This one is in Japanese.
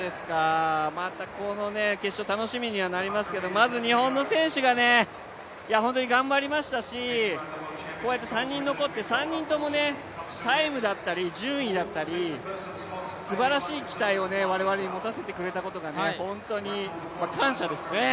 また、この決勝楽しみにはなりますけど、まず日本の選手が本当に頑張りましたしこうやって３人残って３人ともタイムだったり順位だったりすばらしい期待を我々に持たせてくれたことが本当に感謝ですね。